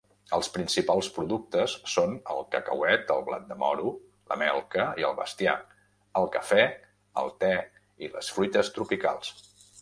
Els principals productes són el cacauet, el blat de moro, la melca i el bestiar, el cafè, el te i les fruites tropicals.